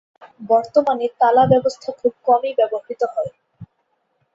বর্তমানে, তালা ব্যবস্থা খুব কমই ব্যবহৃত হয়।